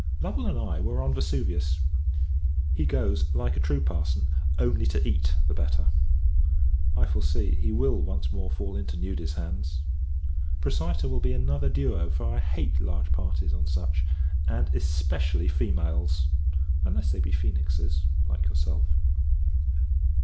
Lovel and I were on Vesuvius. He goes, like a true parson, only to eat the better. I foresee, he will once more fall into Nudi's hands. Procyta will be another Duo; for I hate large parties on such, and especially females unless they be Phoenixes, like yourself.